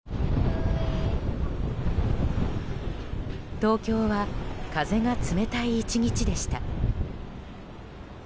東京は風が冷たい１日でした。